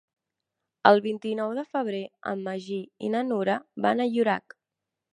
El vint-i-nou de febrer en Magí i na Nura van a Llorac.